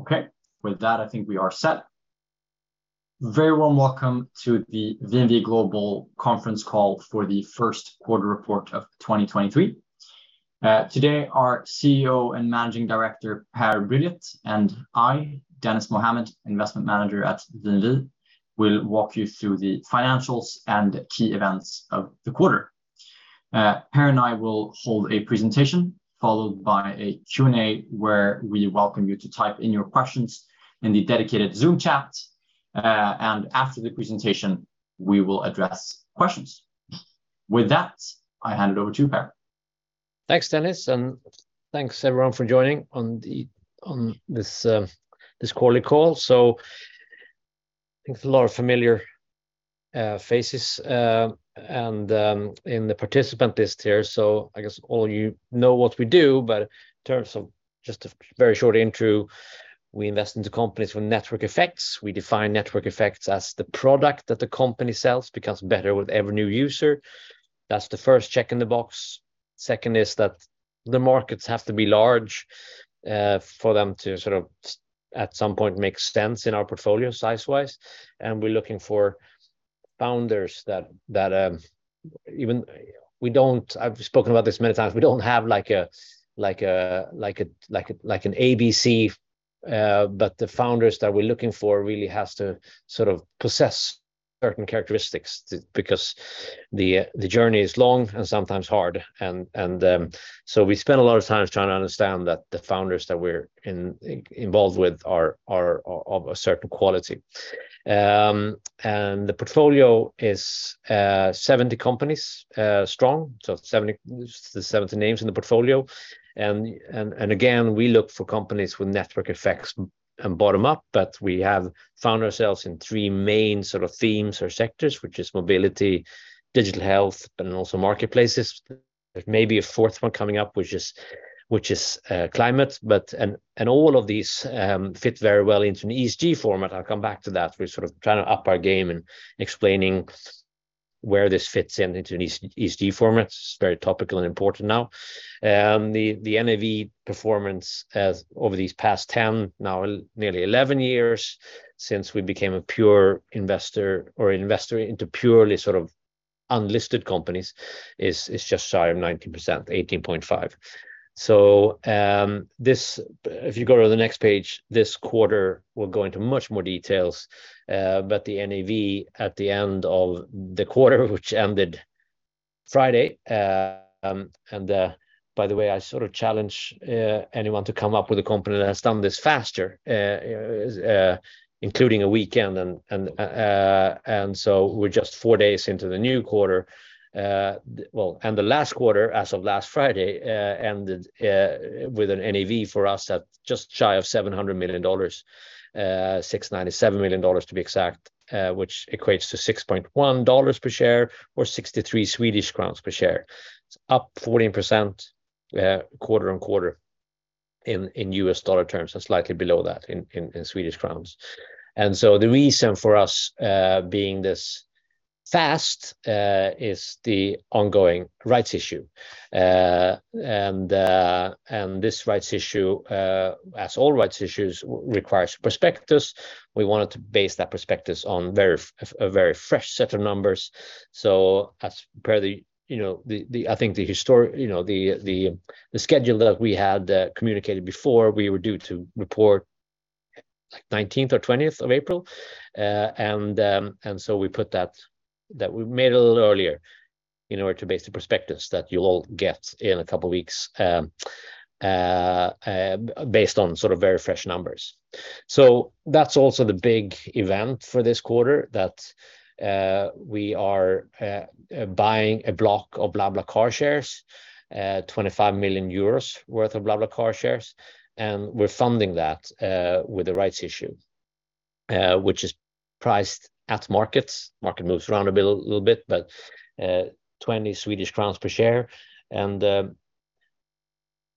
Okay. With that, I think we are set. Very warm welcome to the VNV Global conference call for the first quarter report of 2023. Today our CEO and Managing Director, Per Brilioth, and I, Dennis Mohammad, Investment Manager at VNV, will walk you through the financials and key events of the quarter. Per and I will hold a presentation followed by a Q&A where we welcome you to type in your questions in the dedicated Zoom chat. After the presentation, we will address questions. With that, I hand it over to you, Per. Thanks, Dennis, and thanks everyone for joining on this quarterly call. I think there's a lot of familiar faces and in the participant list here. I guess all of you know what we do, but in terms of just a very short intro, we invest into companies with network effects. We define network effects as the product that the company sells becomes better with every new user. That's the first check in the box. Second is that the markets have to be large for them to sort of at some point make sense in our portfolio size-wise. We're looking for founders that even I've spoken about this many times. We don't have an ABC, the founders that we're looking for really has to sort of possess certain characteristics because the journey is long and sometimes hard. We spend a lot of time trying to understand that the founders that we're involved with are of a certain quality. The portfolio is 70 companies strong. The 70 names in the portfolio. Again, we look for companies with network effects and bottom-up, we have found ourselves in three main sort of themes or sectors, which is mobility, digital health, and also marketplaces. There may be a fourth one coming up, which is climate. All of these fit very well into an ESG format. I'll come back to that. We're sort of trying to up our game in explaining where this fits in into an ESG format. It's very topical and important now. The NAV performance has over these past 10, now nearly 11 years since we became a pure investor or investor into purely sort of unlisted companies is just shy of 90%, 18.5. If you go to the next page, this quarter will go into much more details, but the NAV at the end of the quarter, which ended Friday, and by the way, I sort of challenge anyone to come up with a company that has done this faster, including a weekend and so we're just four days into the new quarter. Well, the last quarter as of last Friday, ended with an NAV for us at just shy of $700 million, $697 million to be exact, which equates to $6.1 per share or 63 Swedish crowns per share. It's up 14% quarter-on-quarter in U.S. dollar terms and slightly below that in Swedish crowns. The reason for us being this fast is the ongoing rights issue. This rights issue, as all rights issues requires prospectus. We wanted to base that prospectus on a very fresh set of numbers. As per the, you know, the schedule that we had communicated before we were due to report like 19th or 20th of April. We put that we made a little earlier in order to base the prospectus that you'll all get in a couple of weeks based on sort of very fresh numbers. That's also the big event for this quarter, that we are buying a block of BlaBlaCar shares, 25 million euros worth of BlaBlaCar shares. We're funding that with the rights issue, which is priced at markets. Market moves around a bit, little bit, but 20 Swedish crowns per share.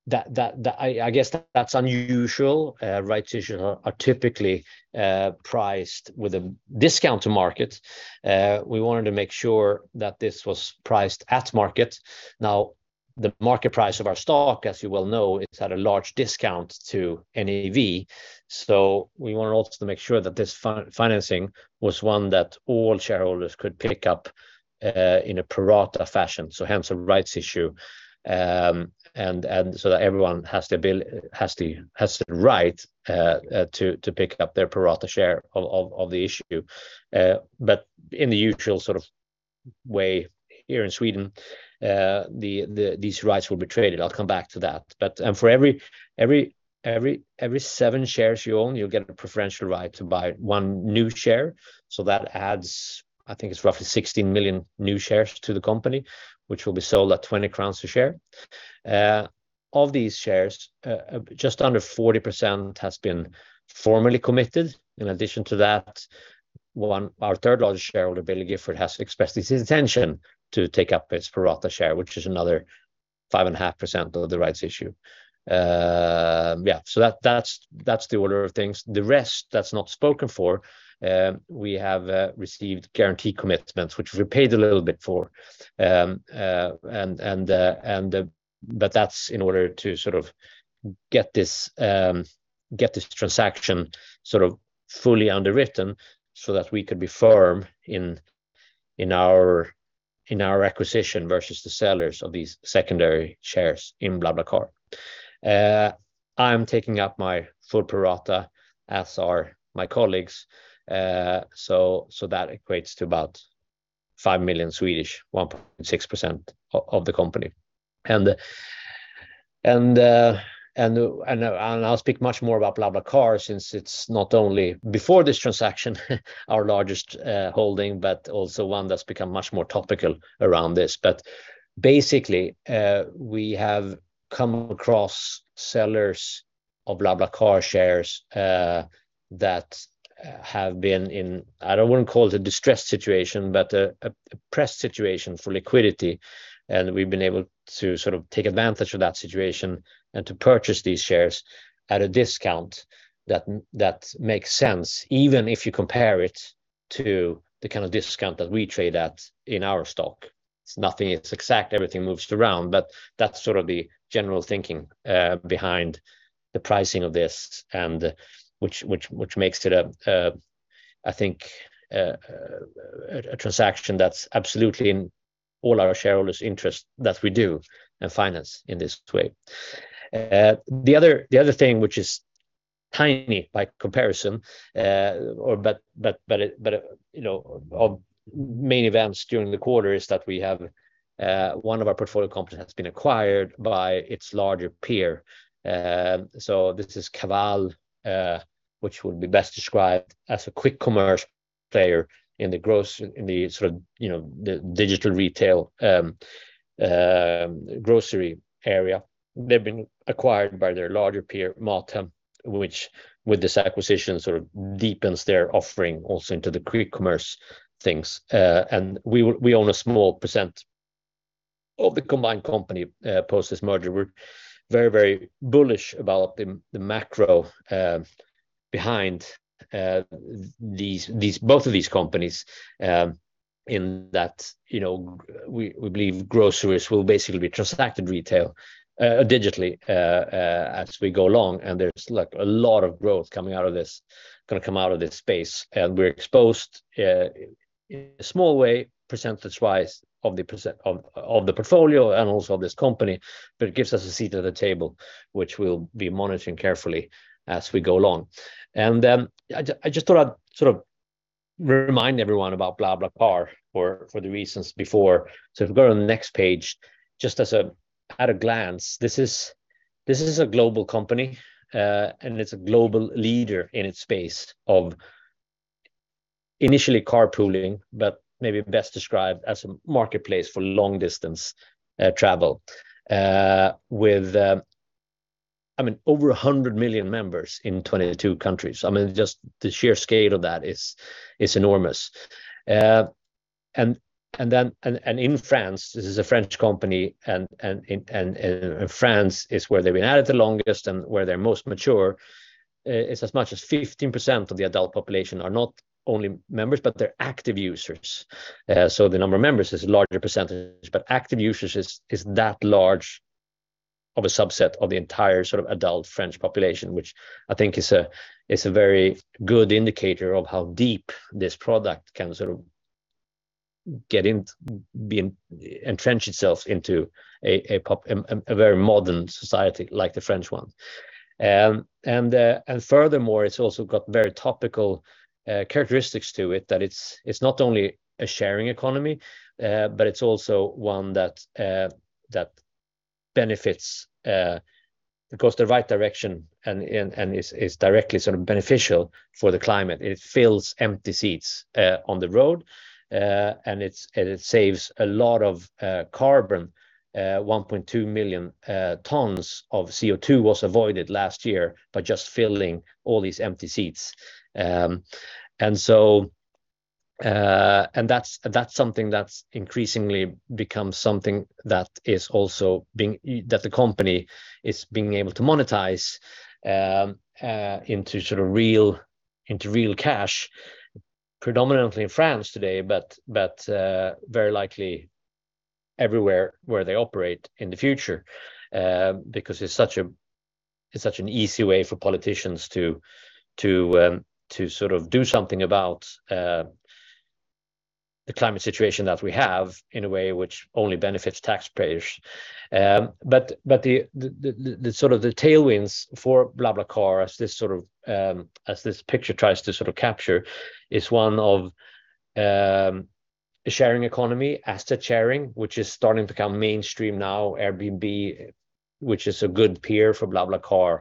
That I guess that's unusual. Rights issues are typically priced with a discount to market. We wanted to make sure that this was priced at market. Now, the market price of our stock, as you well know, is at a large discount to NAV. We want to also make sure that this financing was one that all shareholders could pick up in a pro rata fashion. Hence a rights issue, and so that everyone has the right to pick up their pro rata share of the issue. But in the usual sort of way here in Sweden, these rights will be traded. I'll come back to that. For every seven shares you own, you'll get a preferential right to buy one new share. That adds, I think it's roughly 16 million new shares to the company, which will be sold at 20 crowns a share. Of these shares, just under 40% has been formally committed. In addition to that, our third-largest shareholder, Baillie Gifford, has expressed its intention to take up its pro rata share, which is another 5.5% of the rights issue. Yeah, that's the order of things. The rest that's not spoken for, we have received guarantee commitments, which we paid a little bit for. That's in order to sort of get this transaction sort of fully underwritten so that we could be firm in our acquisition versus the sellers of these secondary shares in BlaBlaCar. I'm taking up my full pro rata, as are my colleagues. That equates to about 5 million, 1.6% of the company. I'll speak much more about BlaBlaCar since it's not only before this transaction, our largest holding, but also one that's become much more topical around this. Basically, we have come across sellers of BlaBlaCar shares that have been I don't want to call it a distressed situation, but a pressed situation for liquidity. We've been able to sort of take advantage of that situation and to purchase these shares at a discount that makes sense, even if you compare it to the kind of discount that we trade at in our stock. It's exact, everything moves around, but that's sort of the general thinking behind the pricing of this and which makes it a, I think a transaction that's absolutely in all our shareholders' interest that we do and finance in this way. The other thing which is tiny by comparison, or but, you know, of main events during the quarter is that we have one of our portfolio companies has been acquired by its larger peer. This is Kavall, which would be best described as a quick commerce player in the sort of, you know, the digital retail grocery area. They've been acquired by their larger peer, Mathem, which with this acquisition sort of deepens their offering also into the quick commerce things. We own a small percent of the combined company post this merger. We're very bullish about the macro behind both of these companies, in that, you know, we believe groceries will basically be transacted retail digitally as we go along. There's like a lot of growth gonna come out of this space. We're exposed in a small way, percentage-wise, of the portfolio and also of this company. It gives us a seat at the table, which we'll be monitoring carefully as we go along. I just thought I'd sort of remind everyone about BlaBlaCar for the reasons before. If you go to the next page, just at a glance, this is a global company, and it's a global leader in its space of initially carpooling, but maybe best described as a marketplace for long-distance travel, with, I mean, over 100 million members in 22 countries. I mean, just the sheer scale of that is enormous. In France, this is a French company, and France is where they've been at it the longest and where they're most mature. It's as much as 15% of the adult population are not only members, but they're active users. The number of members is a larger percentage, but active users is that large of a subset of the entire adult French population, which I think is a very good indicator of how deep this product can entrench itself into a very modern society like the French one. And furthermore, it's also got very topical characteristics to it that it's not only a sharing economy, but it's also one that benefits, goes the right direction and is directly beneficial for the climate. It fills empty seats on the road and it saves a lot of carbon. 1.2 million tons of CO2 was avoided last year by just filling all these empty seats. That's something that's increasingly become something that is also being able to monetize into real cash, predominantly in France today, but very likely everywhere where they operate in the future, because it's such a, it's such an easy way for politicians to sort of do something about the climate situation that we have in a way which only benefits taxpayers. But the sort of the tailwinds for BlaBlaCar as this sort of, as this picture tries to sort of capture is one of a sharing economy, asset sharing, which is starting to become mainstream now. Airbnb, which is a good peer for BlaBlaCar,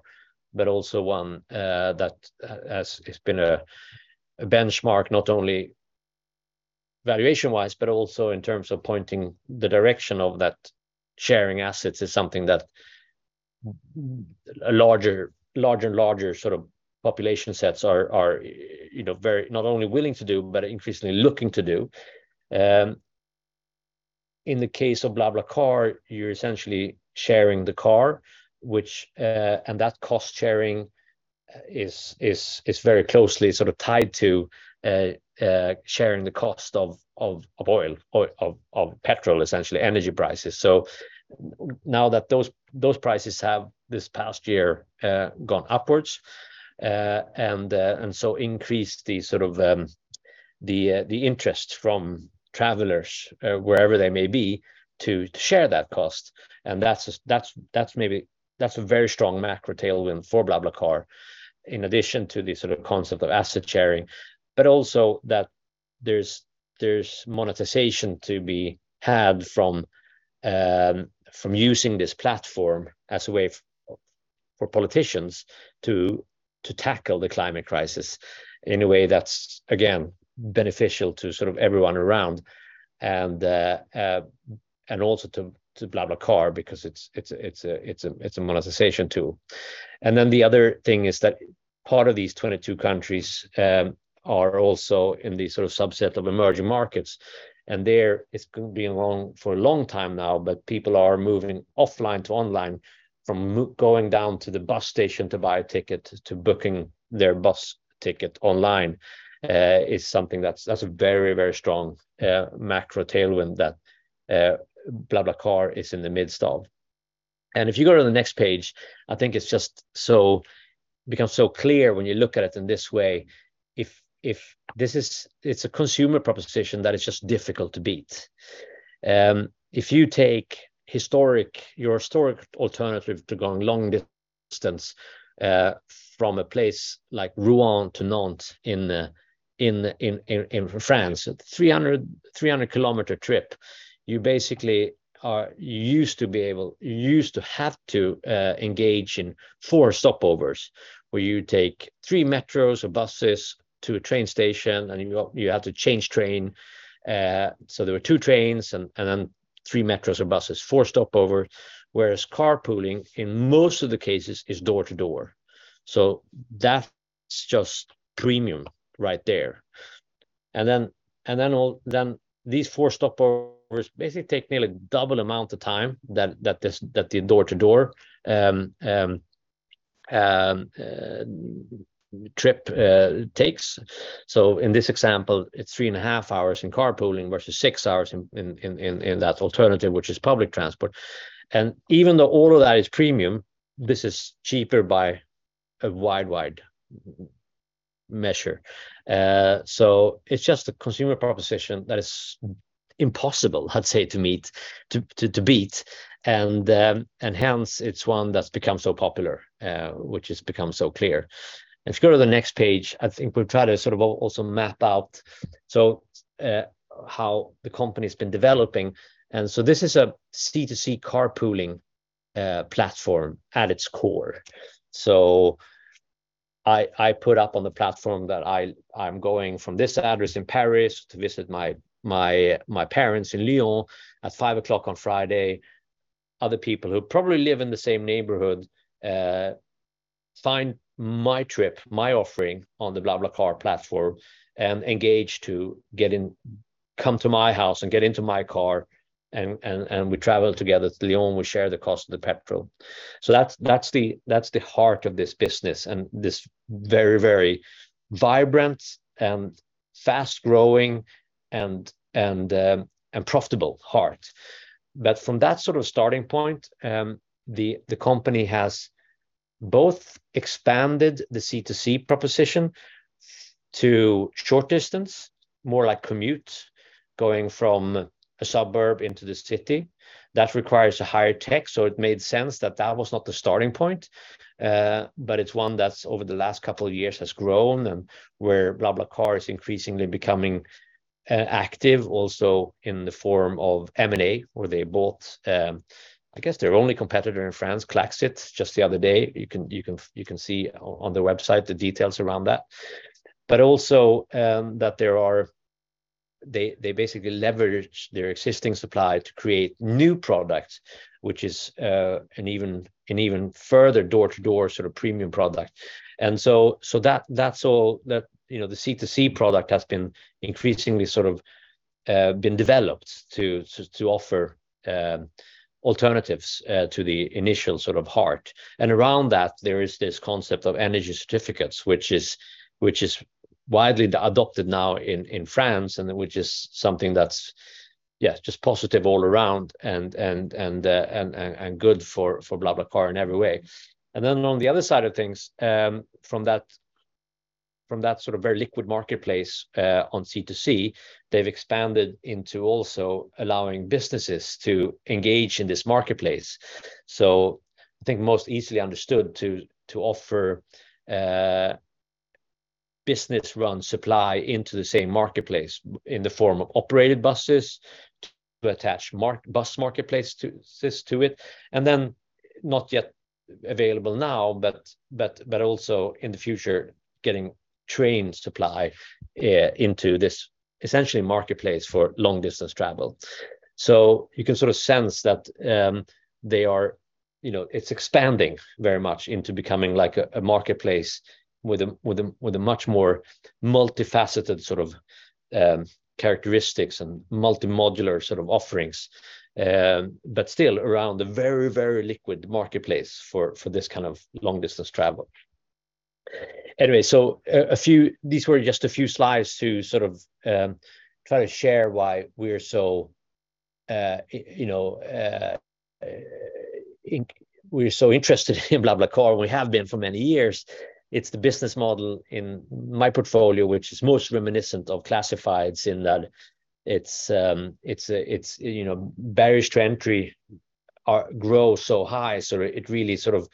but also one, that it's been a benchmark, not only valuation-wise, but also in terms of pointing the direction of that sharing assets is something that larger, and larger sort of population sets are, you know, very not only willing to do, but increasingly looking to do. In the case of BlaBlaCar, you're essentially sharing the car, which, and that cost sharing is very closely sort of tied to sharing the cost of oil, of petrol, essentially energy prices. Now that those prices have this past year gone upwards, and so increased the sort of the interest from travelers, wherever they may be to share that cost. That's a very strong macro tailwind for BlaBlaCar in addition to the sort of concept of asset sharing, but also that there's monetization to be had from using this platform as a way for politicians to tackle the climate crisis in a way that's, again, beneficial to sort of everyone around and also to BlaBlaCar because it's a monetization tool. The other thing is that part of these 22 countries are also in the sort of subset of emerging markets. There it's been for a long time now, but people are moving offline to online from going down to the bus station to buy a ticket to booking their bus ticket online, is something that's a very, very strong macro tailwind that BlaBlaCar is in the midst of. If you go to the next page, I think it just becomes so clear when you look at it in this way. If it's a consumer proposition that is just difficult to beat. If you take your historic alternative to going long distance from a place like Rouen to Nantes in France, 300 km trip, you used to have to engage in four stopovers, where you take three metros or buses to a train station, and you had to change train. There were two trains and then three metros or buses, four stopovers, whereas carpooling in most of the cases is door to door. That's just premium right there. Then these four stopovers basically take nearly double amount of time than this, than the door-to-door trip takes. In this example, it's 3.5 hours in carpooling versus six hours in that alternative, which is public transport. Even though all of that is premium, this is cheaper by a wide measure. It's just a consumer proposition that is impossible, I'd say, to beat, and hence it's one that's become so popular, which has become so clear. If you go to the next page, I think we've tried to sort of also map out so how the company's been developing. This is a C2C carpooling platform at its core. I put up on the platform that I'm going from this address in Paris to visit my parents in Lyon at 5:00 P.M. on Friday. Other people who probably live in the same neighborhood, find my trip, my offering on the BlaBlaCar platform and engage to come to my house and get into my car and we travel together to Lyon, we share the cost of the petrol. That's, that's the heart of this business and this very, very vibrant and fast-growing and profitable heart. From that sort of starting point, the company has both expanded the C2C proposition to short distance, more like commutes going from a suburb into the city. That requires a higher tech, so it made sense that that was not the starting point. It's one that over the last couple of years has grown and where BlaBlaCar is increasingly becoming active also in the form of M&A, where they bought, I guess their only competitor in France, Klaxit, just the other day. You can see on the website the details around that. Also, they basically leverage their existing supply to create new products, which is an even further door-to-door sort of premium product. So that's all that, you know, the C2C product has been increasingly sort of been developed to offer alternatives to the initial sort of heart. Around that, there is this concept of energy certificates, which is widely adopted now in France, and which is something that's, yeah, just positive all around and good for BlaBlaCar in every way. On the other side of things, from that sort of very liquid marketplace on C2C, they've expanded into also allowing businesses to engage in this marketplace. I think most easily understood to offer business-run supply into the same marketplace in the form of operated buses to attach bus marketplace to it. Not yet available now, but also in the future, getting train supply into this essentially marketplace for long-distance travel. You can sort of sense that. You know, it's expanding very much into becoming like a marketplace with a much more multifaceted sort of characteristics and multi-modular sort of offerings. Still around the very liquid marketplace for this kind of long-distance travel. These were just a few slides to sort of try to share why we're so, you know, interested in BlaBlaCar and we have been for many years. It's the business model in my portfolio which is most reminiscent of classifieds in that it's, you know, barriers to entry grow so high. It really sort of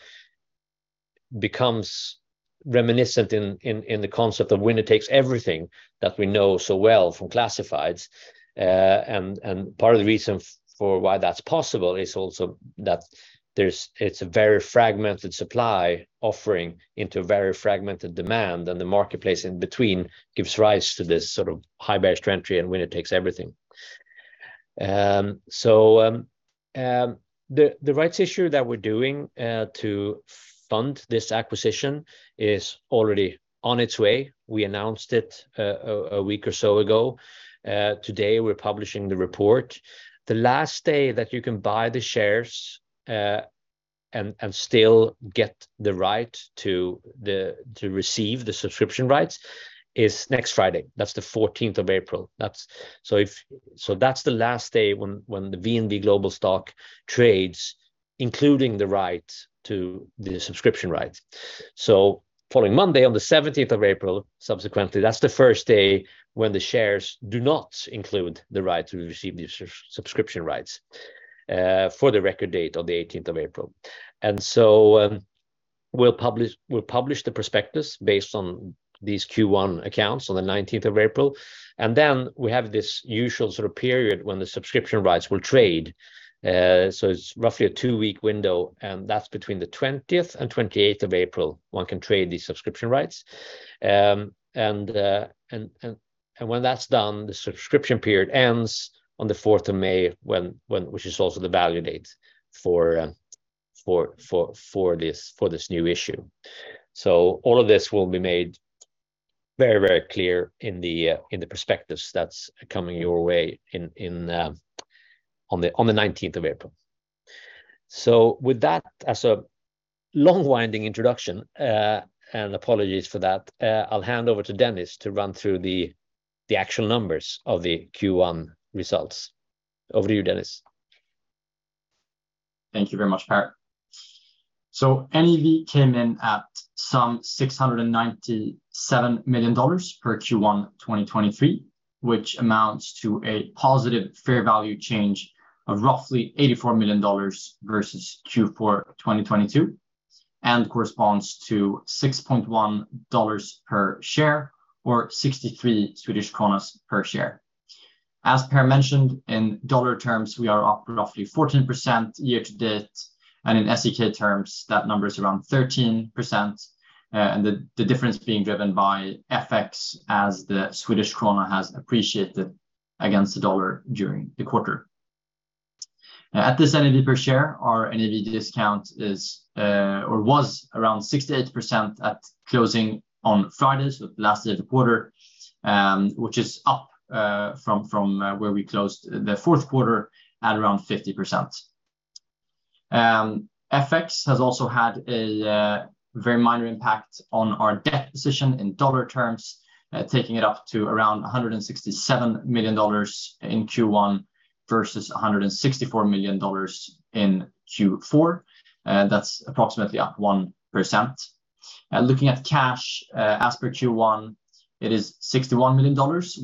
becomes reminiscent in the concept of winner takes everything that we know so well from classifieds. Part of the reason why that's possible is also that it's a very fragmented supply offering into a very fragmented demand, and the marketplace in between gives rise to this sort of high barriers to entry and winner takes everything. The rights issue that we're doing to fund this acquisition is already on its way. We announced it a week or so ago. Today we're publishing the report. The last day that you can buy the shares and still get the right to receive the subscription rights is next Friday. That's the 14th of April. So that's the last day when the VNV Global stock trades, including the right to the subscription rights. Following Monday, on the 17th of April, subsequently, that's the first day when the shares do not include the right to receive the sub-subscription rights for the record date on the 18th of April. We'll publish the prospectus based on these Q1 accounts on the 19th of April. Then we have this usual sort of period when the subscription rights will trade. It's roughly a two-week window, and that's between the 20th and 28th of April, one can trade these subscription rights. When that's done, the subscription period ends on the 4th of May which is also the value date for this, for this new issue. All of this will be made very, very clear in the prospectus that's coming your way in on the 19th of April. With that, as a long-winding introduction, and apologies for that, I'll hand over to Dennis to run through the actual numbers of the Q1 results. Over to you, Dennis. Thank you very much, Per. NAV came in at some $697 million per Q1 2023, which amounts to a positive fair value change of roughly $84 million versus Q4 2022, corresponds to $6.1 per share or 63 Swedish kronor per share. As Per mentioned, in dollar tems, we are up roughly 14% year-to-date, in SEK terms that number is around 13%. The difference being driven by FX as the Swedish krona has appreciated against the dollar during the quarter. At this NAV per share, our NAV discount is or was around 68% at closing on Friday, so the last day of the quarter, which is up from where we closed the fourth quarter at around 50%. FX has also had a very minor impact on our debt position in dollar terms, taking it up to around $167 million in Q1 versus $164 million in Q4. That's approximately up 1%. Looking at cash, as per Q1, it is $61 million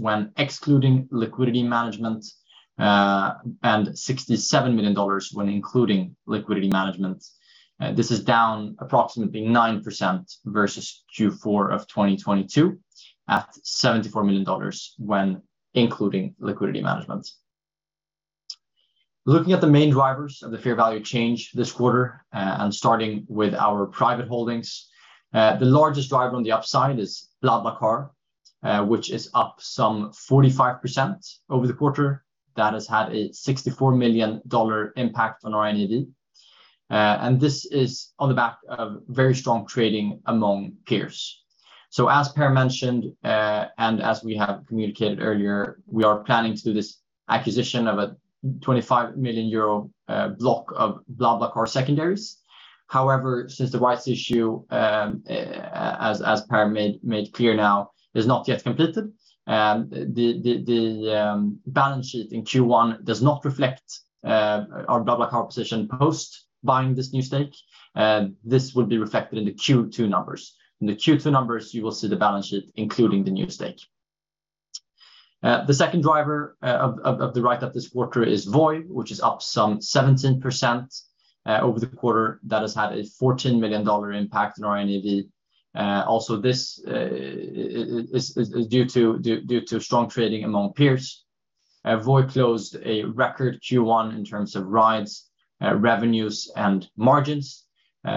when excluding liquidity management, and $67 million when including liquidity management. This is down approximately 9% versus Q4 of 2022 at $74 million when including liquidity management. Looking at the main drivers of the fair value change this quarter, starting with our private holdings, the largest driver on the upside is BlaBlaCar, which is up some 45% over the quarter. That has had a $64 million impact on our NAV. This is on the back of very strong trading among peers. As Per mentioned, as we have communicated earlier, we are planning to do this acquisition of a 25 million euro block of BlaBlaCar secondaries. However, since the rights issue, as Per made clear now, is not yet completed, the balance sheet in Q1 does not reflect our BlaBlaCar position post buying this new stake. This will be reflected in the Q2 numbers. In the Q2 numbers, you will see the balance sheet including the new stake. The second driver of the right of this quarter is Voi, which is up some 17% over the quarter. That has had a $14 million impact on our NAV. also this is due to strong trading among peers. Voi closed a record Q1 in terms of rides, revenues, and margins.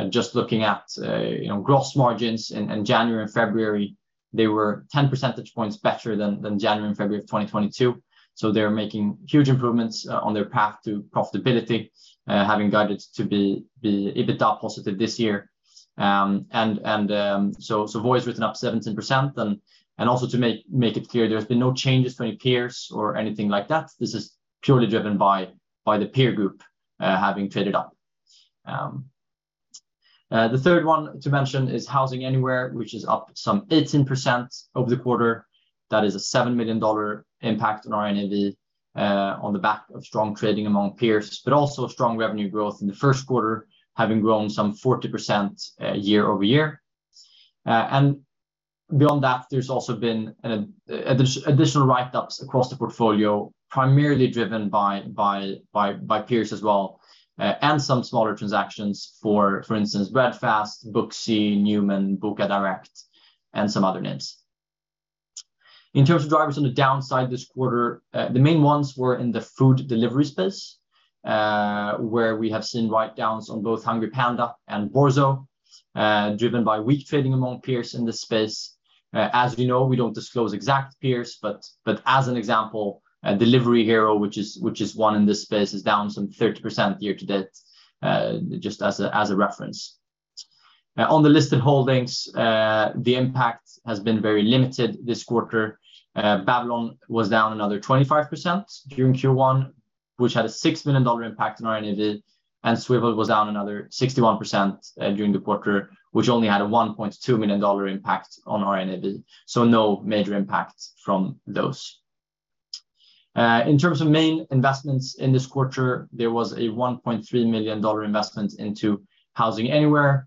Just looking at, you know, gross margins in January and February. They were 10 percentage points better than January and February of 2022. They're making huge improvements on their path to profitability, having guided to be EBITDA positive this year. Voi's written up 17%. Also to make it clear, there's been no changes to any peers or anything like that. This is purely driven by the peer group, having traded up. The third one to mention is HousingAnywhere, which is up some 18% over the quarter. That is a $7 million impact on our NAV on the back of strong trading among peers, but also strong revenue growth in the first quarter, having grown some 40% year-over-year. Beyond that, there's also been an additional write-ups across the portfolio, primarily driven by peers as well, and some smaller transactions, for instance, Breadfast, Booksy, Numan, Bokadirekt, and some other names. In terms of drivers on the downside this quarter, the main ones were in the food delivery space, where we have seen write-downs on both HungryPanda and Borzo, driven by weak trading among peers in this space. As we know, we don't disclose exact peers, but as an example, Delivery Hero, which is one in this space, is down some 30% year to date, just as a reference. On the listed holdings, the impact has been very limited this quarter. Babylon was down another 25% during Q1, which had a $6 million impact on our NAV. Swvl was down another 61% during the quarter, which only had a $1.2 million impact on our NAV. No major impact from those. In terms of main investments in this quarter, there was a $1.3 million investment into HousingAnywhere.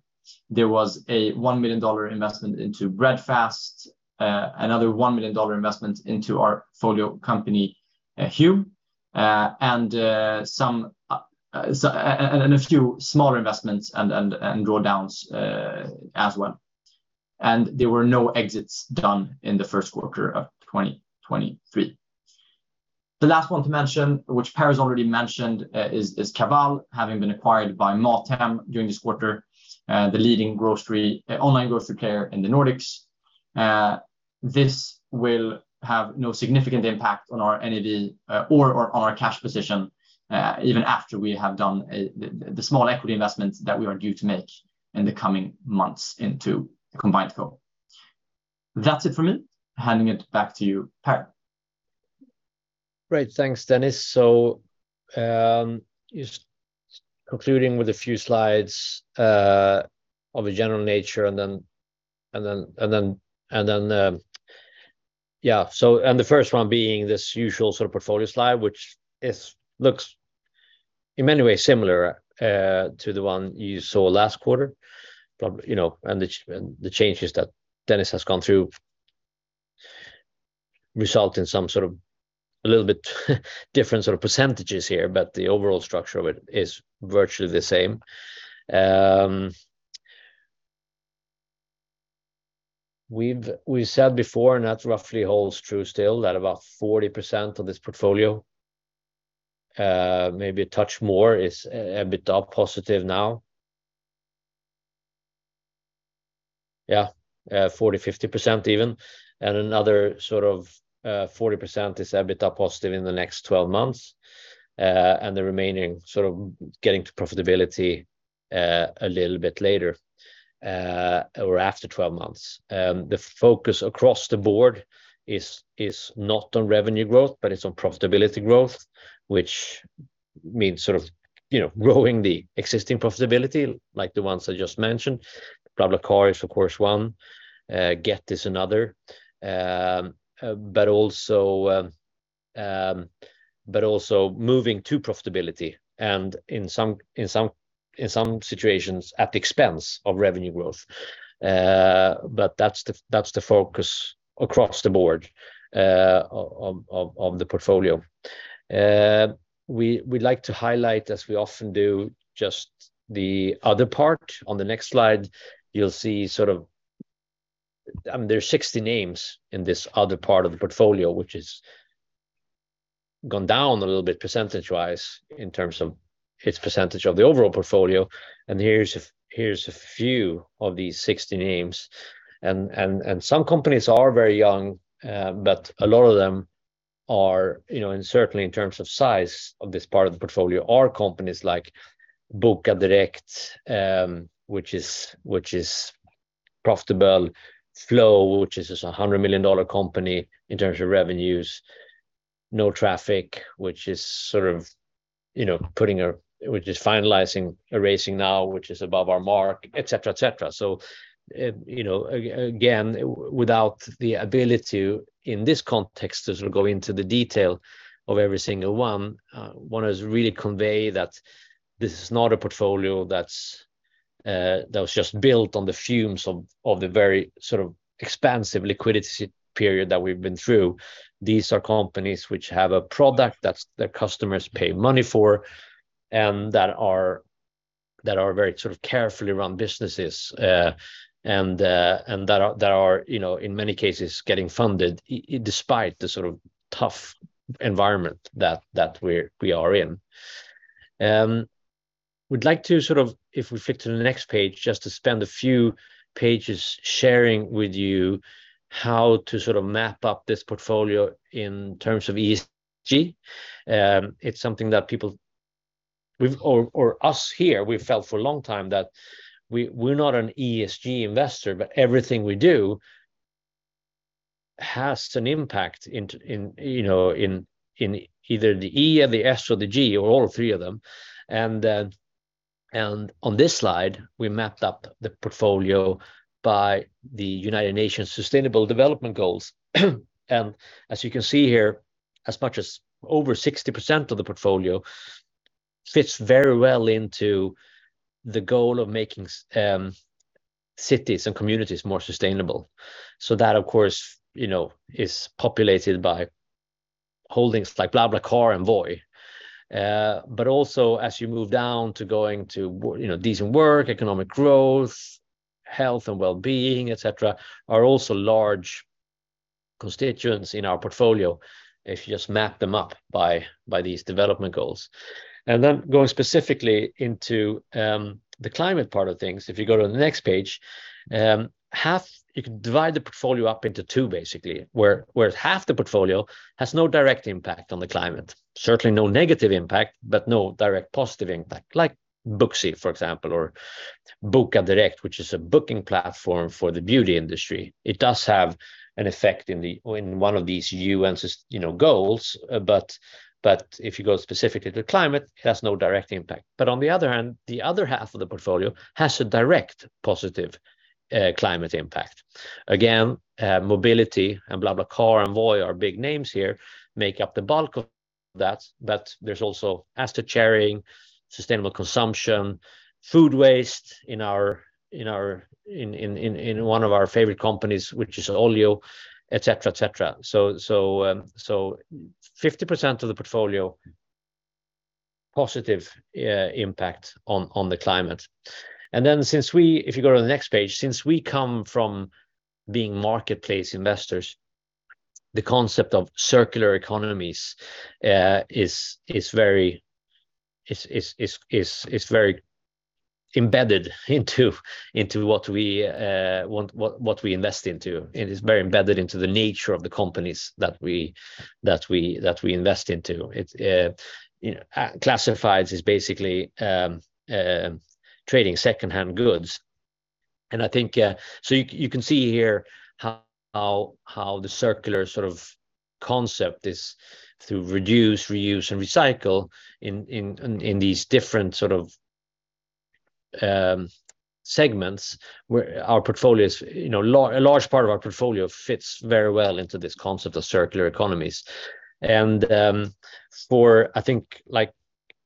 There was a $1 million investment into Breadfast, another $1 million investment into our portfolio company, Hume, and a few smaller investments and drawdowns as well. There were no exits done in the first quarter of 2023. The last one to mention, which Per's already mentioned, is Kavall having been acquired by Mathem during this quarter, the leading online grocery player in the Nordics. This will have no significant impact on our NAV or on our cash position, even after we have done the small equity investment that we are due to make in the coming months into the combined group. That's it for me. Handing it back to you, Per. Great. Thanks, Dennis. Just concluding with a few slides of a general nature and then. Yeah, so. The first one being this usual sort of portfolio slide, which looks in many ways similar to the one you saw last quarter. You know, and the changes that Dennis has gone through result in some sort of a little bit different sort of percentages here, but the overall structure of it is virtually the same. We've said before, and that roughly holds true still, that about 40% of this portfolio, maybe a touch more, is EBITDA positive now. Yeah, 40%, 50% even. Another sort of 40% is EBITDA positive in the next 12 months, and the remaining sort of getting to profitability a little bit later, or after 12 months. The focus across the board is not on revenue growth, but it's on profitability growth, which means sort of, you know, growing the existing profitability like the ones I just mentioned. BlaBlaCar is, of course, one, Gett is another. Also moving to profitability and in some situations at the expense of revenue growth. That's the focus across the board of the portfolio. We'd like to highlight, as we often do, just the other part. On the next slide, you'll see sort of, there's 60 names in this other part of the portfolio, which has gone down a little bit percentage-wise in terms of its percentage of the overall portfolio. Here's a few of these 60 names. Some companies are very young, but a lot of them are, you know, and certainly in terms of size of this part of the portfolio are companies like Bokadirekt, which is, which is profitable, Flow, which is just a $100 million company in terms of revenues. NoTraffic, which is sort of, you know, finalizing a raising now, which is above our mark, et cetera, et cetera. You know, again, without the ability to, in this context, as we go into the detail of every single one, wanna just really convey that this is not a portfolio that was just built on the fumes of the very sort of expansive liquidity period that we've been through. These are companies which have a product that their customers pay money for and that are very sort of carefully run businesses, and that are, you know, in many cases, getting funded despite the sort of tough environment that we are in. We'd like to sort of, if we flick to the next page, just to spend a few pages sharing with you how to sort of map up this portfolio in terms of ESG. It's something that people we've or us here, we've felt for a long time that we're not an ESG investor, but everything we do has an impact in, you know, in either the E or the S or the G or all three of them. On this slide, we mapped up the portfolio by the United Nations Sustainable Development Goals. As you can see here, as much as over 60% of the portfolio fits very well into the goal of making cities and communities more sustainable. Of course, you know, is populated by holdings like BlaBlaCar and Voi. But also as you move down to going to you know, decent work, economic growth, health and wellbeing, et cetera, are also large constituents in our portfolio if you just map them up by these development goals. Then going specifically into the climate part of things, if you go to the next page, you can divide the portfolio up into two basically, where half the portfolio has no direct impact on the climate. Certainly no negative impact, but no direct positive impact, like Booksy, for example, or Bokadirekt, which is a booking platform for the beauty industry. It does have an effect in one of these UN Sustainable Development Goals, but if you go specifically to climate, it has no direct impact. On the other hand, the other half of the portfolio has a direct positive climate impact. Again, mobility and BlaBlaCar and Voi are big names here, make up the bulk of that. There's also asset sharing, sustainable consumption, food waste in one of our favorite companies, which is Olio, et cetera, et cetera. So 50% of the portfolio, positive impact on the climate. If you go to the next page, since we come from being marketplace investors, the concept of circular economies is very embedded into what we invest into. It is very embedded into the nature of the companies that we invest into. It's, you know, Classifieds is basically trading secondhand goods. I think, you can see here how the circular sort of concept is through reduce, reuse, and recycle in these different sort of segments where our portfolios, you know, a large part of our portfolio fits very well into this concept of circular economies. I think,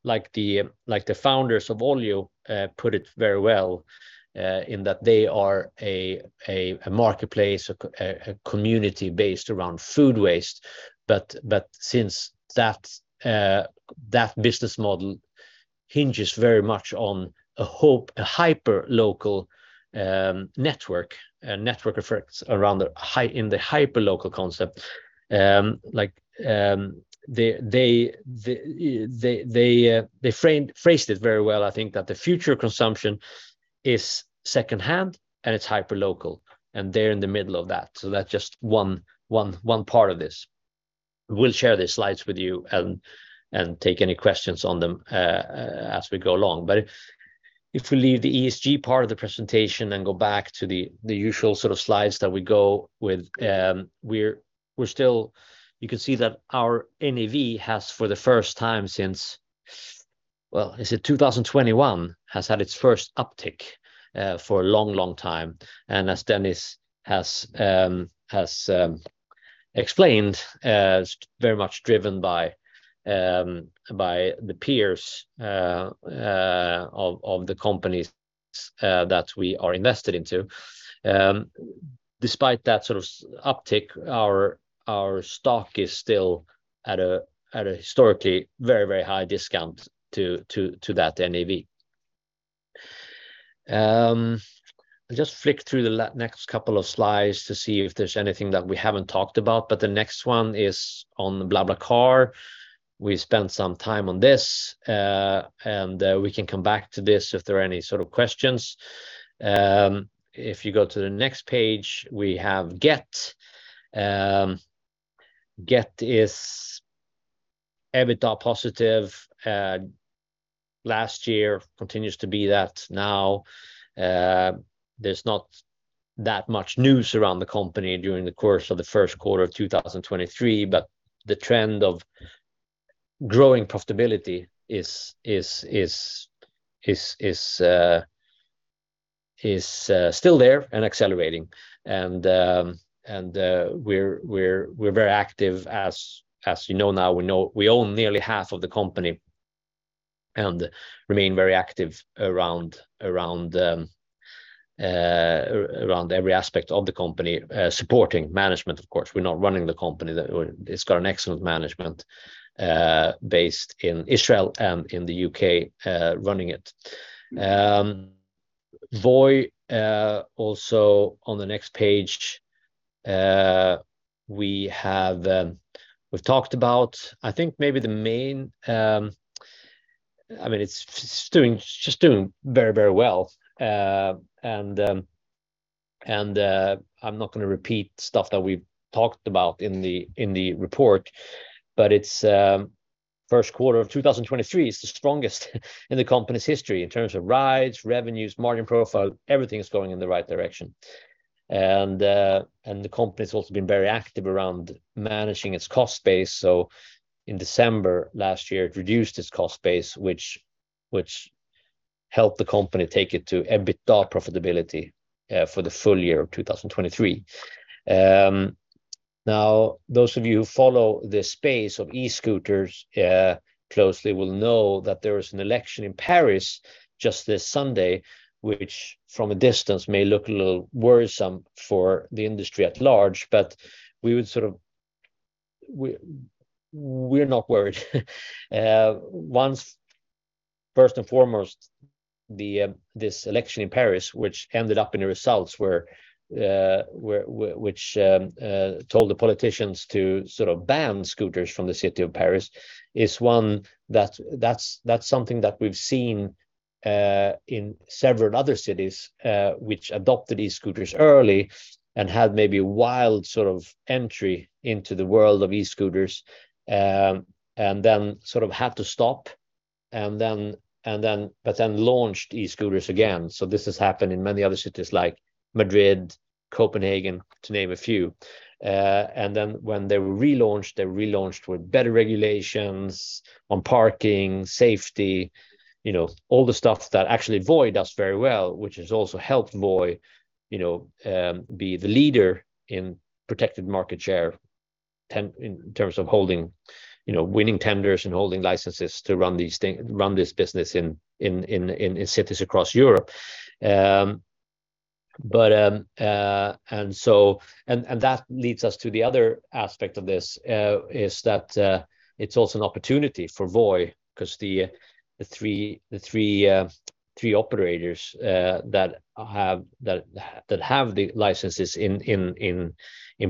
like the founders of Olio put it very well, in that they are a marketplace, a community based around food waste. Since that business model hinges very much on a hyperlocal network effects around in the hyperlocal concept. Like, they phrased it very well, I think, that the future consumption is secondhand and it's hyperlocal, and they're in the middle of that. That's just one part of this. We'll share these slides with you and take any questions on them as we go along. If we leave the ESG part of the presentation and go back to the usual sort of slides that we go with, you can see that our NAV has, for the first time since, well, is it 2021, has had its first uptick for a long, long time. As Dennis has explained, it's very much driven by the peers of the companies that we are invested into. Despite that sort of uptick, our stock is still at a historically very high discount to that NAV. I'll just flick through the next couple of slides to see if there's anything that we haven't talked about. The next one is on BlaBlaCar. We spent some time on this, we can come back to this if there are any sort of questions. If you go to the next page, we have Gett. Gett is EBITDA positive last year, continues to be that now. There's not that much news around the company during the course of the first quarter of 2023. The trend of growing profitability is still there and accelerating. We're very active, as you know now, we own nearly half of the company and remain very active around every aspect of the company, supporting management, of course. We're not running the company. It's got an excellent management, based in Israel and in the U.K., running it. Voi, also on the next page, we have, we've talked about, I think maybe the main... I mean, it's just doing very, very well. I'm not gonna repeat stuff that we've talked about in the report, but its first quarter of 2023 is the strongest in the company's history in terms of rides, revenues, margin profile. Everything is going in the right direction. The company has also been very active around managing its cost base. In December last year, it reduced its cost base, which helped the company take it to EBITDA profitability for the full year of 2023. Now, those of you who follow the space of e-scooters closely will know that there was an election in Paris just this Sunday, which from a distance may look a little worrisome for the industry at large. We're not worried. First and foremost, the, this election in Paris, which ended up in the results where, which told the politicians to sort of ban scooters from the city of Paris, is one that's something that we've seen in several other cities, which adopted e-scooters early and had maybe a wild sort of entry into the world of e-scooters, and then sort of had to stop and then, but then launched e-scooters again. This has happened in many other cities like Madrid, Copenhagen, to name a few. When they were relaunched, they relaunched with better regulations on parking, safety, you know, all the stuff that actually Voi does very well, which has also helped Voi, you know, be the leader in protected market share in terms of holding, you know, winning tenders and holding licenses to run this business in cities across Europe. That leads us to the other aspect of this is that it's also an opportunity for Voi 'cause the three operators that have the licenses in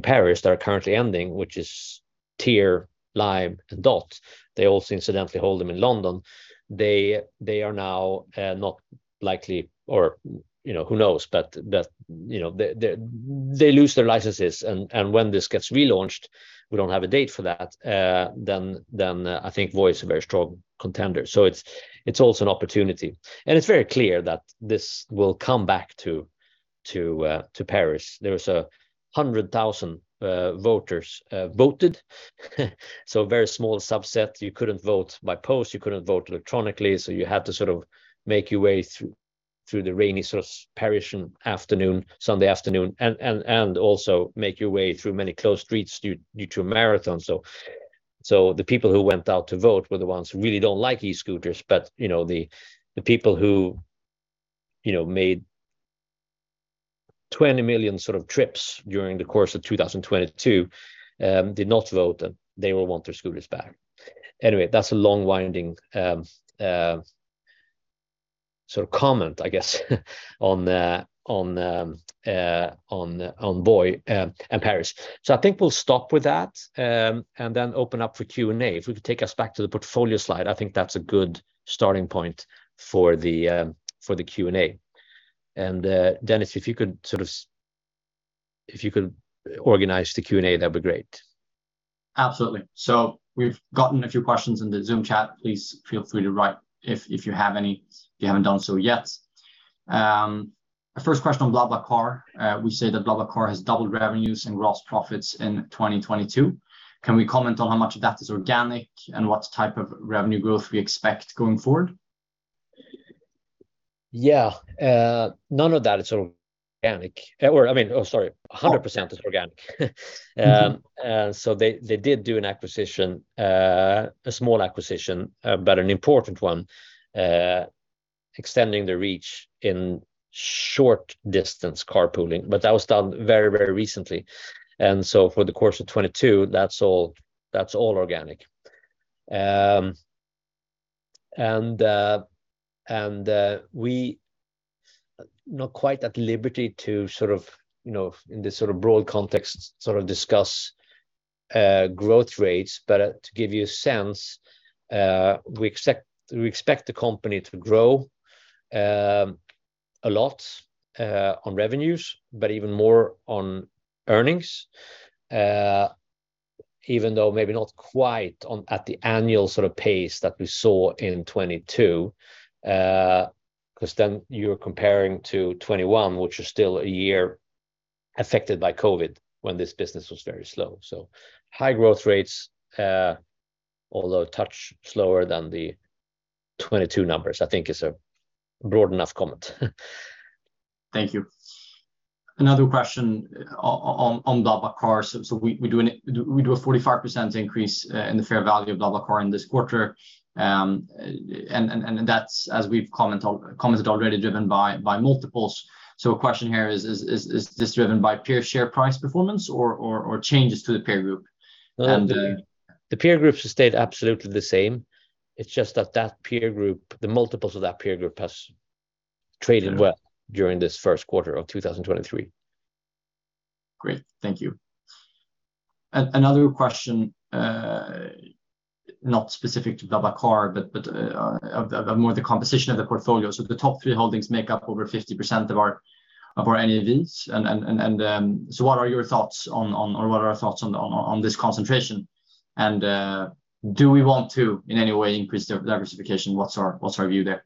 Paris that are currently ending, which is TIER, Lime, and Dott. They also incidentally hold them in London. They are now not likely or, you know, who knows? You know, they, they lose their licenses, and when this gets relaunched, we don't have a date for that, then I think Voi is a very strong contender. It's, it's also an opportunity, and it's very clear that this will come back to, to Paris. There was a 100,000 voters voted, so a very small subset. You couldn't vote by post, you couldn't vote electronically, so you had to sort of make your way through the rainy sort of Parisian afternoon, Sunday afternoon, and also make your way through many closed streets due to a marathon. The people who went out to vote were the ones who really don't like e-scooters. You know, the people who, you know, made 20 million sort of trips during the course of 2022, did not vote, and they will want their scooters back. Anyway, that's a long winding sort of comment, I guess, on Voi and Paris. I think we'll stop with that and then open up for Q&A. If we could take us back to the portfolio slide, I think that's a good starting point for the Q&A. Dennis, if you could organize the Q&A, that'd be great. Absolutely. We've gotten a few questions in the Zoom chat. Please feel free to write if you have any, if you haven't done so yet. First question on BlaBlaCar. We say that BlaBlaCar has doubled revenues and gross profits in 2022. Can we comment on how much of that is organic and what type of revenue growth we expect going forward? Yeah. None of that is organic. Or I mean, sorry. 100% is organic. So they did do an acquisition, a small acquisition, but an important one, extending the reach in short-distance carpooling. That was done very, very recently. For the course of 2022, that's all organic. We not quite at liberty to sort of, you know, in this sort of broad context, sort of discuss growth rates. To give you a sense, we expect the company to grow a lot on revenues, but even more on earnings, even though maybe not quite at the annual sort of pace that we saw in 2022, 'cause then you're comparing to 2021, which is still a year affected by COVID when this business was very slow. High growth rates, although a touch slower than the 2022 numbers, I think is a broad enough comment. Thank you. Another question on BlaBlaCar. We do a 45% increase in the fair value of BlaBlaCar in this quarter. And that's, as we've commented already, driven by multiples. A question here is this driven by peer share price performance or changes to the peer group? The peer groups have stayed absolutely the same. It's just that that peer group, the multiples of that peer group has traded well during this first quarter of 2023. Great. Thank you. Another question, not specific to BlaBlaCar, but of more the composition of the portfolio. The top three holdings make up over 50% of our NAVs, and what are your thoughts or what are our thoughts on this concentration, and do we want to, in any way, increase diversification? What's our view there?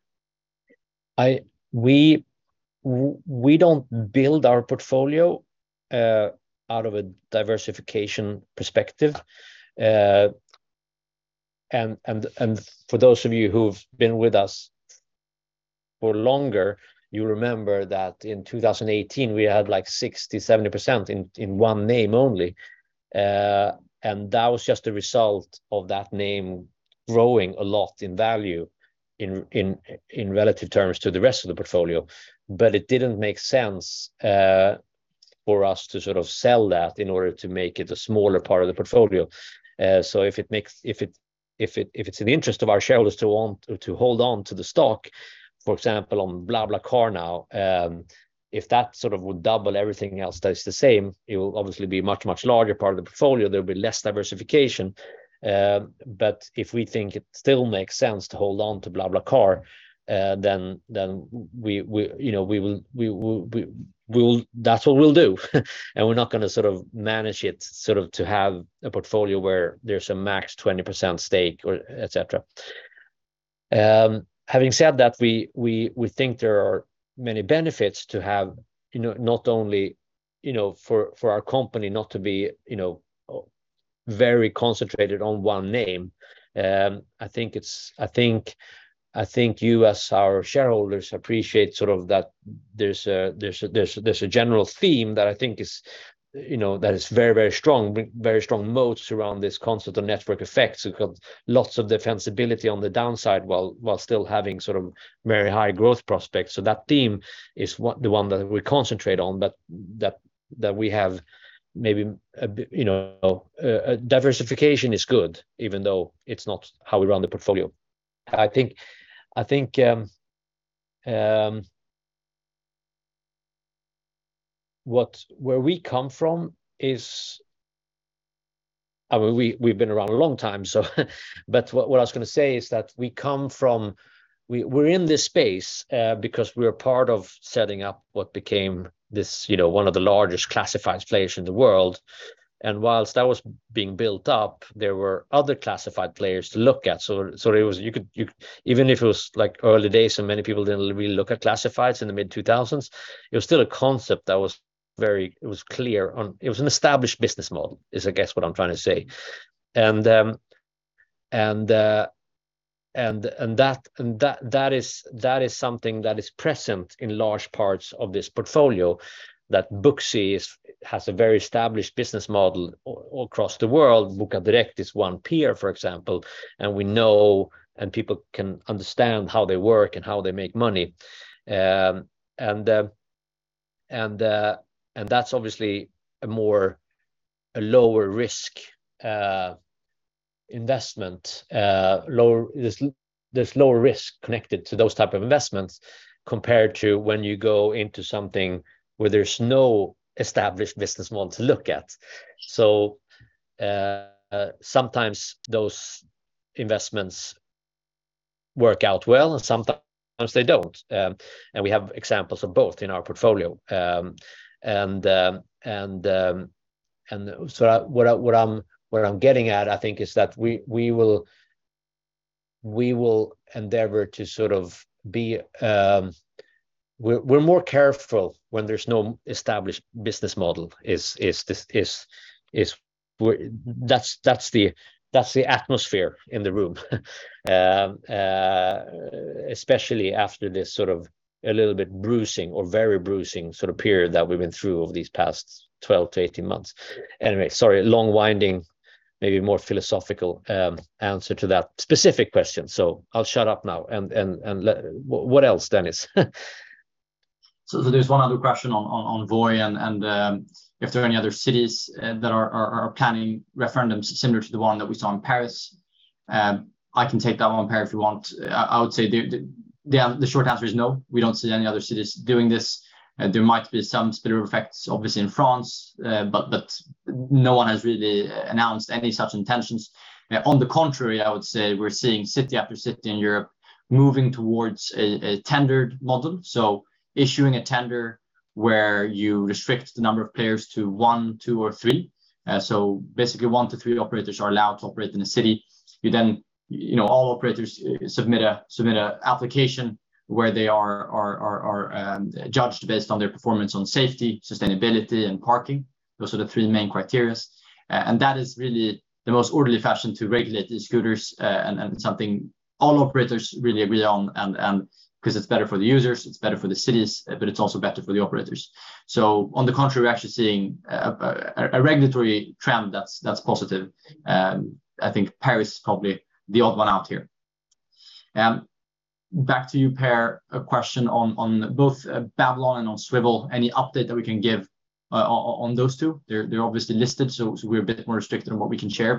We don't build our portfolio out of a diversification perspective. For those of you who've been with us for longer, you remember that in 2018, we had like 60%-70% in one name only. That was just a result of that name growing a lot in value in relative terms to the rest of the portfolio. It didn't make sense for us to sort of sell that in order to make it a smaller part of the portfolio. If it makes... If it's in the interest of our shareholders to want to hold on to the stock, for example, on BlaBlaCar now, if that sort of would double everything else that is the same, it will obviously be a much, much larger part of the portfolio. There will be less diversification. If we think it still makes sense to hold on to BlaBlaCar, then we, you know, we will, that's what we'll do. We're not gonna sort of manage it, sort of to have a portfolio where there's a max 20% stake or et cetera. Having said that, we think there are many benefits to have, you know, not only, you know, for our company not to be, you know, very concentrated on one name. I think you as our shareholders appreciate sort of that there's a general theme that I think is, you know, that is very, very strong. Very strong moats around this concept of network effects. We've got lots of defensibility on the downside while still having sort of very high growth prospects. That theme is the one that we concentrate on, but that we have maybe a bit, you know... Diversification is good, even though it's not how we run the portfolio. I think where we come from is... I mean, we've been around a long time, so but what I was gonna say is that we come from... We're in this space because we are part of setting up what became this, you know, one of the largest classified players in the world. Whilst that was being built up, there were other classified players to look at. You could Even if it was like early days and many people didn't really look at classifieds in the mid-2000s, it was still a concept that was very, it was clear on. It was an established business model, is I guess what I'm trying to say. That is something that is present in large parts of this portfolio, that Booksy has a very established business model across the world. Bokadirekt is one peer, for example. We know and people can understand how they work and how they make money. That's obviously a lower risk investment. There's lower risk connected to those type of investments compared to when you go into something where there's no established business model to look at. Sometimes those investments work out well and sometimes they don't. We have examples of both in our portfolio. What I'm getting at, I think, is that we will endeavor to sort of be... We're more careful when there's no established business model is where. That's the atmosphere in the room, especially after this sort of a little bit bruising or very bruising sort of period that we've been through over these past 12-18 months. Anyway, sorry, long, winding, maybe more philosophical, answer to that specific question. I'll shut up now and let... What else, Dennis? There's one other question on Voi and if there are any other cities that are planning referendums similar to the one that we saw in Paris. I can take that one, Per, if you want. I would say the short answer is no. We don't see any other cities doing this. There might be some spillover effects obviously in France, but no one has really announced any such intentions. On the contrary, I would say we're seeing city after city in Europe moving towards a tendered model, so issuing a tender where you restrict the number of players to one, two, or three. Basically one to three operators are allowed to operate in a city. You know, all operators submit a application where they are judged based on their performance on safety, sustainability, and parking. Those are the three main criteria. That is really the most orderly fashion to regulate the scooters, and something all operators really agree on and 'cause it's better for the users, it's better for the cities, but it's also better for the operators. On the contrary, we're actually seeing a regulatory trend that's positive. I think Paris is probably the odd one out here. Back to you, Per. A question on both Babylon and on Swvl. Any update that we can give on those two? They're obviously listed, so we're a bit more restricted on what we can share.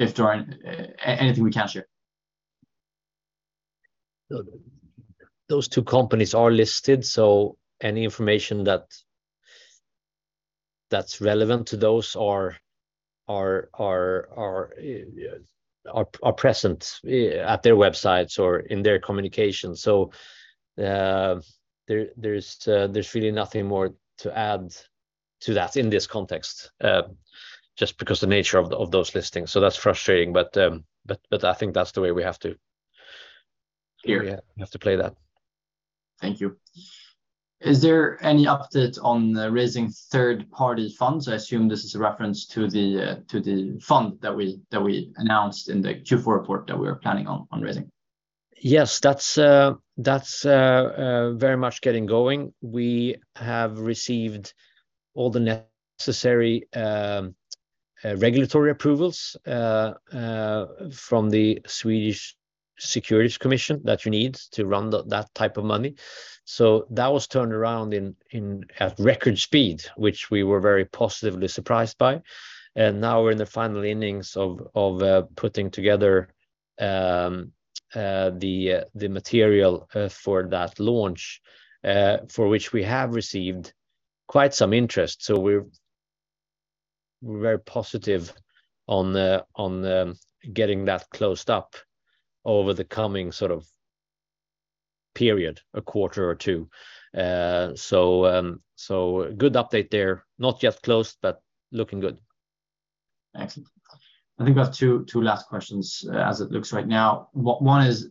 If there are anything we can share. Those two companies are listed, any information that's relevant to those are present at their websites or in their communication. There's really nothing more to add to that in this context, just because the nature of those listings. That's frustrating. I think that's the way we have to Clear Yeah, have to play that. Thank you. Is there any update on raising third-party funds? I assume this is a reference to the, to the fund that we announced in the Q4 report that we are planning on raising. Yes. That's very much getting going. We have received all the necessary regulatory approvals from the Swedish Financial Supervisory Authority that you need to run that type of money. That was turned around at record speed, which we were very positively surprised by. Now we're in the final innings of putting together the material for that launch, for which we have received quite some interest. We're very positive on the getting that closed up over the coming sort of period, a quarter or two. Good update there. Not yet closed, but looking good. Excellent. I think we have two last questions as it looks right now. One is,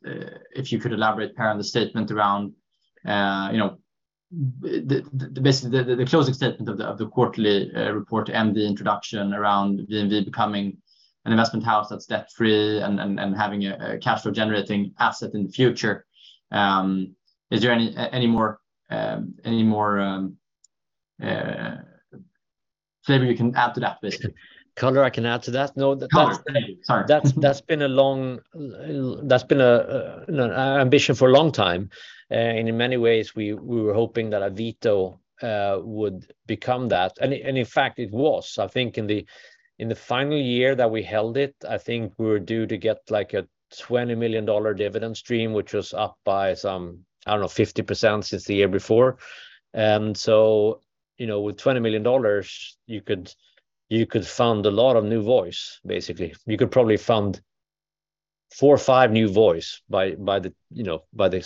if you could elaborate, Per, on the statement around, you know, the, basically the closing statement of the quarterly report and the introduction around VNV becoming an investment house that's debt-free and having a cash flow generating asset in the future. Is there any more flavor you can add to that, basically? Color I can add to that? No. Color. Sorry. That's been an ambition for a long time. In many ways, we were hoping that Avito would become that. In fact, it was. I think in the final year that we held it, I think we were due to get, like, a $20 million dividend stream, which was up by some, I don't know, 50% since the year before. You know, with $20 million, you could fund a lot of new Vois, basically. You could probably fund four or five new Vois by the, you know, by the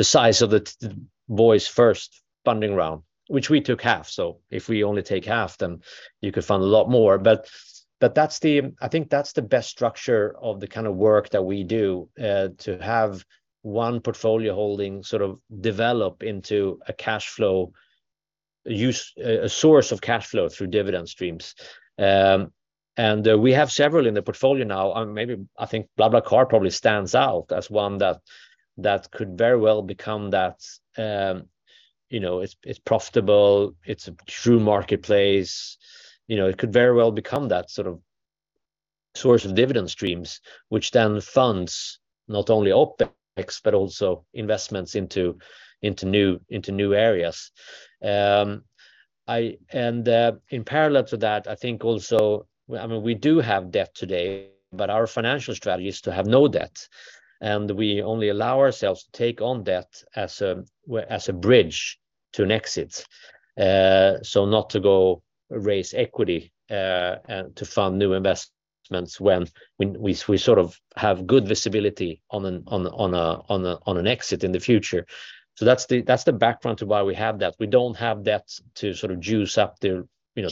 size of the Voi's first funding round, which we took half. If we only take half, then you could fund a lot more. that's the best structure of the kind of work that we do, to have one portfolio holding sort of develop into a cash flow source of cash flow through dividend streams. We have several in the portfolio now. Maybe I think BlaBlaCar probably stands out as one that could very well become that. You know, it's profitable. It's a true marketplace. You know, it could very well become that sort of source of dividend streams, which then funds not only OpEx, but also investments into new areas. In parallel to that, I mean, we do have debt today, but our financial strategy is to have no debt, and we only allow ourselves to take on debt as a bridge to an exit. Not to go raise equity to fund new investments when we sort of have good visibility on an exit in the future. That's the background to why we have debt. We don't have debt to sort of juice up the, you know,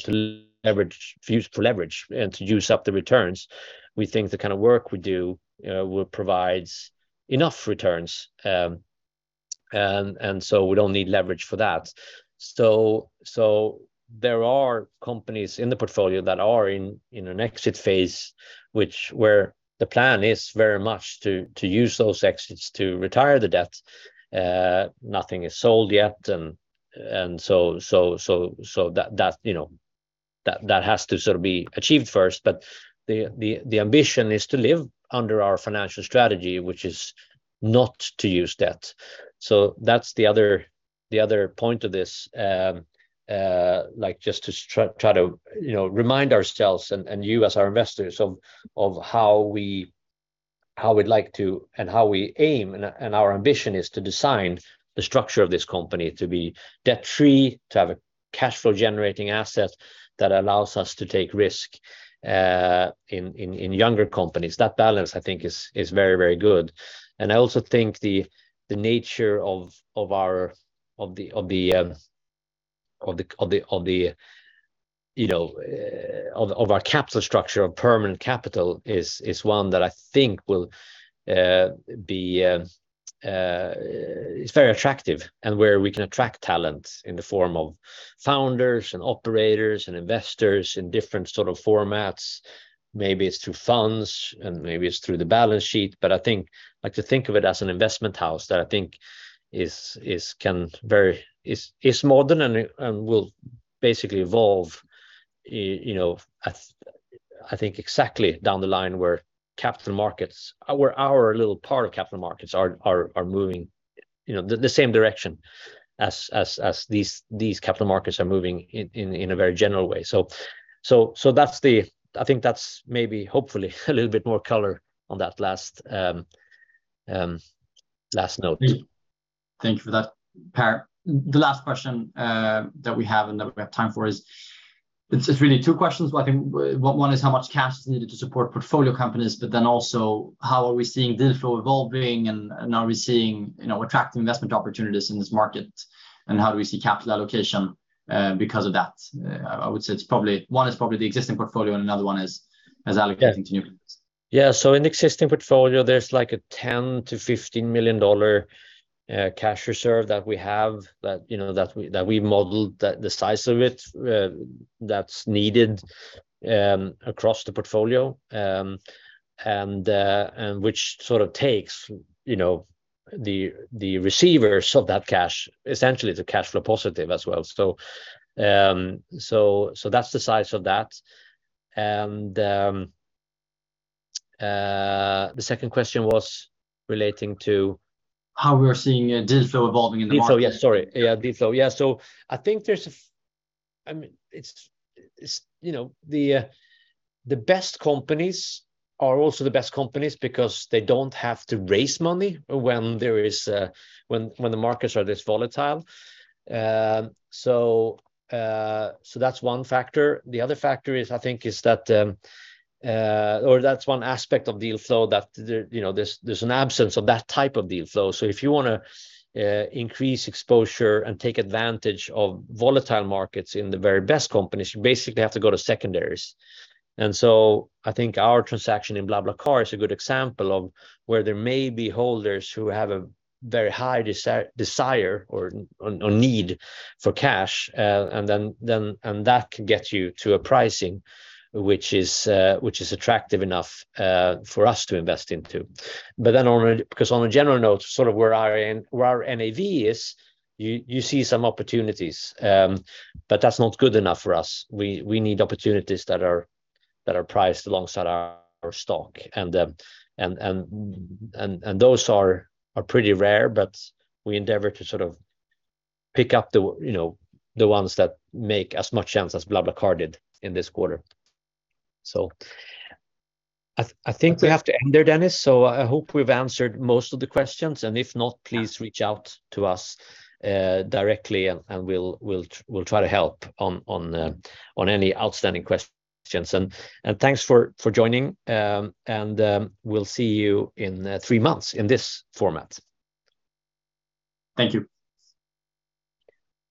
use for leverage and to juice up the returns. We think the kind of work we do will provide enough returns. We don't need leverage for that. There are companies in the portfolio that are in an exit phase, which where the plan is very much to use those exits to retire the debt. Nothing is sold yet, and so that, you know, that has to sort of be achieved first. The ambition is to live under our financial strategy, which is not to use debt. That's the other point of this. Like, just to try to, you know, remind ourselves and you as our investors of how we'd like to and how we aim. Our ambition is to design the structure of this company to be debt-free, to have a cash flow generating asset that allows us to take risk in younger companies. That balance, I think is very, very good. I also think the nature of the, you know, of our capital structure of permanent capital is one that I think will be. It's very attractive, and where we can attract talent in the form of founders and operators and investors in different sort of formats. Maybe it's through funds and maybe it's through the balance sheet, but I like to think of it as an investment house that I think is modern and will basically evolve, you know, I think exactly down the line where capital markets where our little part of capital markets are moving, you know, the same direction as these capital markets are moving in a very general way. I think that's maybe hopefully a little bit more color on that last last note. Thank you for that, Per. The last question that we have and that we have time for is. It's really two questions, but I think one is how much cash is needed to support portfolio companies, but then also how are we seeing deal flow evolving and are we seeing, you know, attractive investment opportunities in this market? How do we see capital allocation because of that? I would say one is probably the existing portfolio, and another one is allocating to new ones. Yeah. In existing portfolio, there's like a $10 million-$15 million cash reserve that we have that, you know, that we modeled the size of it that's needed across the portfolio. Which sort of takes, you know, the receivers of that cash essentially to cash flow positive as well. That's the size of that. The second question was relating to? How we are seeing, deal flow evolving in the market. Deal flow. Yeah, sorry. Yeah, deal flow. Yeah. I mean, it's, you know, the best companies are also the best companies because they don't have to raise money when there is when the markets are this volatile. That's one factor. The other factor is I think is that. Or that's one aspect of deal flow that there, you know, there's an absence of that type of deal flow. If you wanna increase exposure and take advantage of volatile markets in the very best companies, you basically have to go to secondaries. I think our transaction in BlaBlaCar is a good example of where there may be holders who have a very high desire or need for cash. That can get you to a pricing which is attractive enough for us to invest into. On a general note, sort of where our, where our NAV is, you see some opportunities. That's not good enough for us. We need opportunities that are priced alongside our stock. And those are pretty rare, but we endeavor to sort of pick up the, you know, the ones that make as much sense as BlaBlaCar did in this quarter. I think we have to end there, Dennis. I hope we've answered most of the questions, and if not, please reach out to us directly, and we'll try to help on any outstanding questions. Thanks for joining. We'll see you in three months in this format. Thank you.